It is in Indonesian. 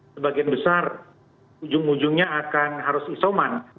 sebagian besar ujung ujungnya akan harus isoman